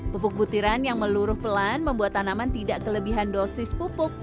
pupuk butiran yang meluruh pelan membuat tanaman tidak kelebihan dosis pupuk